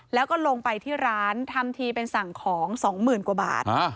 แล้วก็ลงไปที่ร้านทำทีเป็นสั่งของสองหมื่นกว่าบาท